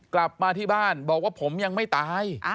กลับมาที่บ้านบอกว่าผมยังไม่ตาย